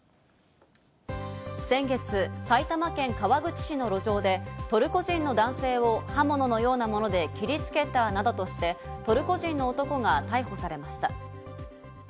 先月、埼玉県川口市の路上でトルコ人の男性を刃物のようなもので切りつけたなどとして、トルコ人の男が逮捕されました。